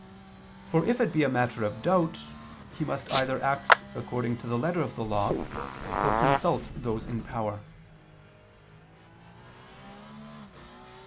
For if it be a matter of doubt, he must either act according to the letter of the law, or consult those in power.